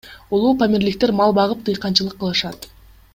Улуупамирликтер мал багып, дыйканчылык кылышат.